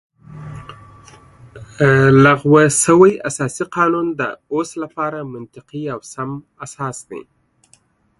لغوه شوی اساسي قانون د اوس لپاره منطقي او سم اساس دی